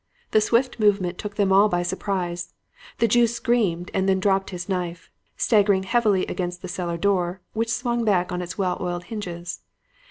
The swift movement took them all by surprise. The Jew screamed and dropped his knife, staggering heavily against the cellar door, which swung back on its well oiled hinges.